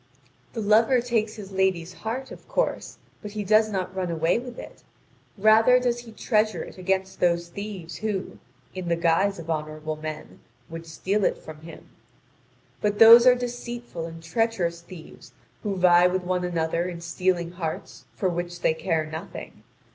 The lover takes his lady's heart, of course, but he does not run away with it; rather does he treasure it against those thieves who, in the guise of honourable men, would steal it from him. But those are deceitful and treacherous thieves who vie with one another in stealing hearts for which they care nothing.